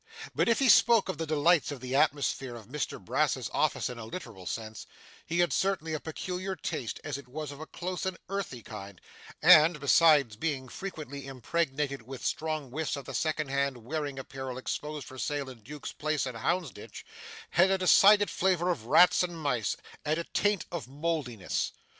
But if he spoke of the delights of the atmosphere of Mr Brass's office in a literal sense, he had certainly a peculiar taste, as it was of a close and earthy kind, and, besides being frequently impregnated with strong whiffs of the second hand wearing apparel exposed for sale in Duke's Place and Houndsditch, had a decided flavour of rats and mice, and a taint of mouldiness.